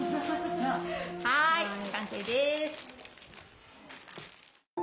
はい完成です。